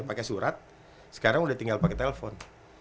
pakai surat sekarang udah tinggal pakai telpon